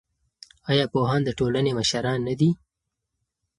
ایا پوهان د ټولنې مشران نه دي؟